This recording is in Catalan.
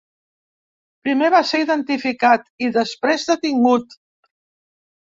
Primer va ser identificat i després detingut.